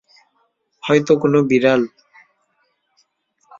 হয়তো কোনো বিড়াল?